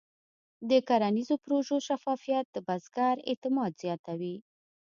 د کرنیزو پروژو شفافیت د بزګر اعتماد زیاتوي.